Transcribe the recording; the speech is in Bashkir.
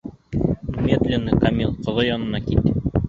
Немедленно Камил ҡоҙа янынан кит!